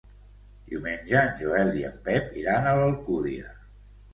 Diumenge en Joel i en Pep iran a l'Alcúdia.